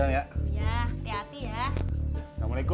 nadia ga ada sih